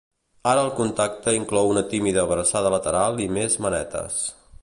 Ara el contacte inclou una tímida abraçada lateral i més manetes.